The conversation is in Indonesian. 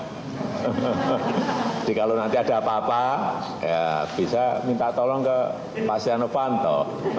jadi kalau nanti ada apa apa ya bisa minta tolong ke pak sdiano vanto